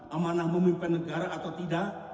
apakah kita sedang memimpin negara atau tidak